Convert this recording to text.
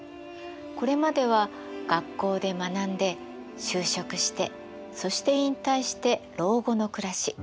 これまでは学校で学んで就職してそして引退して老後の暮らし。